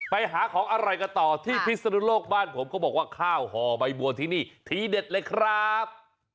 ไปหาของอร่อยกันต่อที่พิศนุโลกบ้านผมก็บอกว่าข้าวห่อใบบัวที่นี่ทีเด็ดเลยครับ